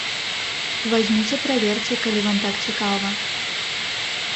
Вазьміце праверце, калі вам так цікава.